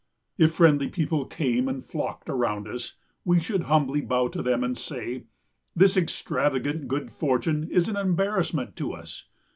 If friendly people came and flocked around us, we should humbly bow to them and say, This extravagant good fortune is an embarrassment to us.